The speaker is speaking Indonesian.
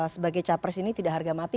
sebagai capres ini tidak harga mati